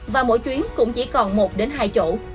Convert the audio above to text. và mỗi chuyến cũng chỉ còn một đến hai chỗ